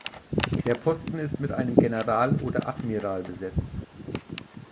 Der Posten ist mit einem General oder Admiral besetzt.